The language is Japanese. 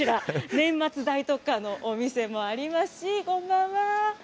年末大特価のお店もありますし、こんばんは。